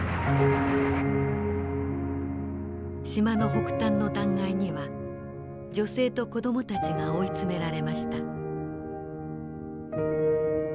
島の北端の断崖には女性と子どもたちが追い詰められました。